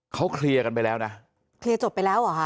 เขาเคลียร์กันไปแล้วนะเคลียร์จบไปแล้วเหรอคะ